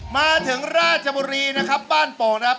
มาถึงราชบุรีนะครับบ้านโป่งนะครับ